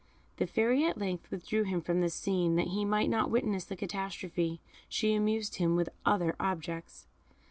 The Fairy at length withdrew him from this scene, that he might not witness the catastrophe. She amused him with other objects.